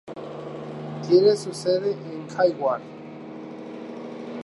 Tiene su sede en Hayward.